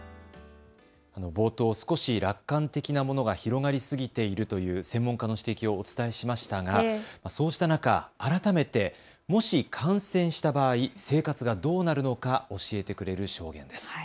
冒頭、少し楽観的なものが広がりすぎているという専門家の指摘をお伝えしましたがそうした中、改めて、もし感染した場合、生活がどうなるのか教えてくれる証言です。